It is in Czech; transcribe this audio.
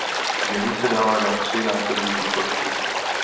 Dělí se dále na tři následující složky.